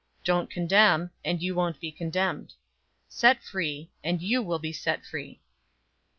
Don't condemn, and you won't be condemned. Set free, and you will be set free.